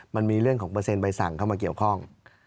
มันมีเรื่องของเปอร์เซ็นใบสั่งเข้ามาเกี่ยวข้อง